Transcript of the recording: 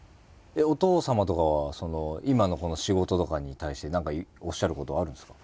お父様とかは今のこの仕事とかに対して何かおっしゃることはあるんですか？